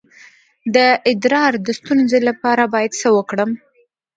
د ادرار د ستونزې لپاره باید څه وکړم؟